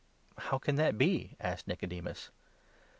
" How can that be ?" asked Nicodemus..